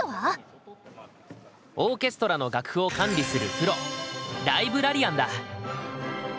オーケストラの楽譜を管理するプロ「ライブラリアン」だ。